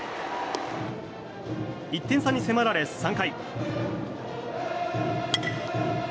１点差に迫られ３回。